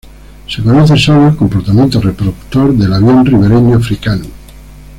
Se conoce solo el comportamiento reproductor del avión ribereño africano.